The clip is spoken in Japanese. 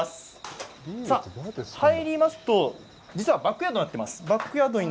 入りますと実はバックヤードになっています。